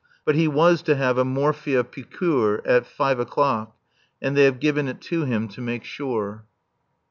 But he was to have a morphia piqûre at five o'clock, and they have given it to him to make sure.